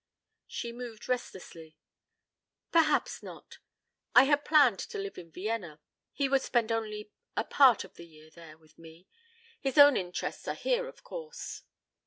She moved restlessly. "Perhaps not. But I had planned to live in Vienna. He would spend only a part of the year there with me. His own interests are here, of course.